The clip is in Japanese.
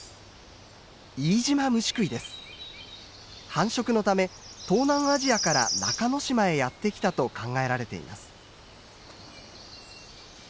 繁殖のため東南アジアから中之島へやって来たと考えられています。